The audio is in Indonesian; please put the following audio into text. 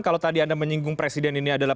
kalau tadi anda menyinggung presiden ini adalah